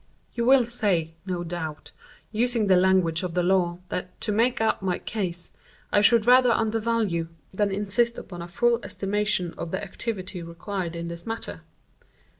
"You will say, no doubt, using the language of the law, that 'to make out my case,' I should rather undervalue, than insist upon a full estimation of the activity required in this matter.